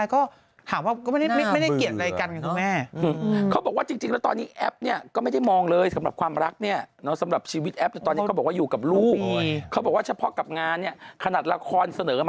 ก็กลายเป็นข่าวใหม่มาอีกรอบหนึ่ง